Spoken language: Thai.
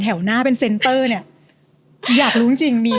ขึ้นมาเป็นแถวหน้าอันนี้